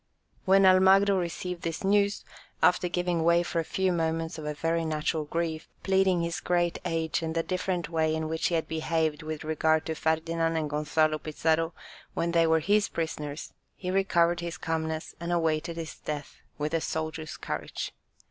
When Almagro received this news, after giving way for a few moments to a very natural grief, pleading his great age and the different way in which he had behaved with regard to Ferdinand and Gonzalo Pizarro when they were his prisoners, he recovered his calmness and awaited his death with a soldier's courage.